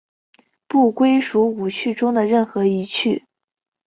不归属五趣中的任何一趣。